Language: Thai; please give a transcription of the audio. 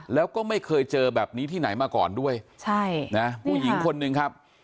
แล้วก็ไม่เคยเจอแบบนี้ที่ไหนมาก่อนด้วยใช่นะผู้หญิงคนหนึ่งครับ